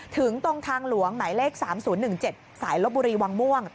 ถึงตรงทางหลวงหมายเลข๓๐๑๗สายลบบุรีวังม่วง